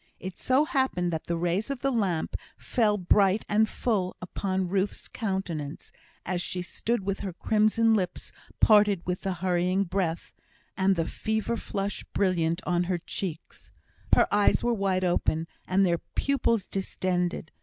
It so happened that the rays of the lamp fell bright and full upon Ruth's countenance, as she stood with her crimson lips parted with the hurrying breath, and the fever flush brilliant on her cheeks. Her eyes were wide open, and their pupils distended.